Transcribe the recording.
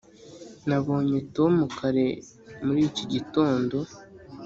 nabonye tom kare muri iki gitondo.